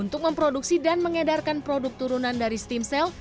untuk memproduksi dan mengedarkan produk turunan dari stem cell